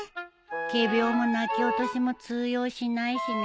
仮病も泣き落としも通用しないしね。